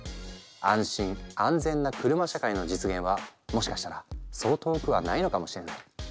安心・安全な車社会の実現はもしかしたらそう遠くはないのかもしれない。